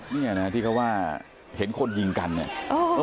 เนี่ยนะที่เขาว่าเห็นคนยิงกันเนี่ย